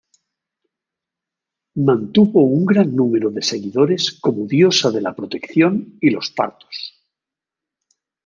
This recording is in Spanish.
Mantuvo un gran número de seguidores como diosa de la protección y los partos.